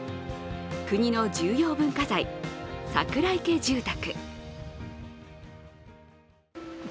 国の重要文化財、櫻井家住宅。